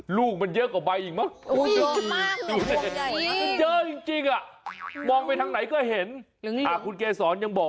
ลูกมันเยอะกว่าใบอีกมั้ง